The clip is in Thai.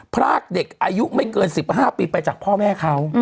พรากเด็กอายุไม่เกิน๑๕ปีไปจากพ่อแม่เขา